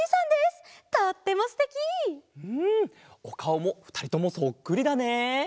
おかおもふたりともそっくりだね。